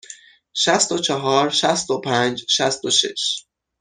شصت و چهار، شصت و پنج، شصت و شش.